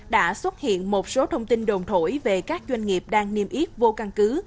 đã xuất hiện một số thông tin đồn thổi về các doanh nghiệp đang niêm yếp vô căn cứ